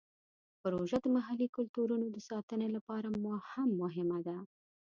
پروژه د محلي کلتورونو د ساتنې لپاره هم مهمه ده.